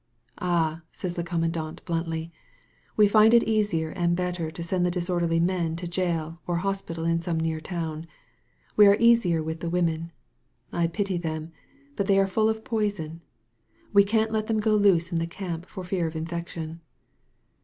*'Ah," says the commandant bluntly, we find it easier and better to send the disorderly men to jail or hospital in some near town. We are easier with the women. I pity them. But they are full of poison. We can't let them go loose in the camp for fear of infection.